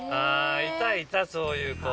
いたいたそういう子。